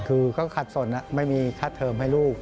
คือก็ขัดสนไม่มีค่าเทิมให้ลูก